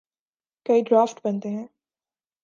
کئی ڈرافٹ بنتے ہیں۔